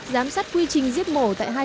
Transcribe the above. giám sát quy trình giết mẩu tại hai cơ hội